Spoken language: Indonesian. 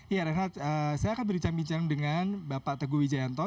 ya renhat saya akan berbincang bincang dengan bapak teguh wijayanto